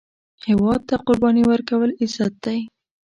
هیواد ته قرباني ورکول، عزت دی